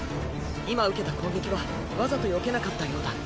今受けた攻撃はわざとよけなかったようだ。